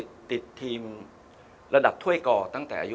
ติดทีมระดับถ้วยก่อตั้งแต่อายุ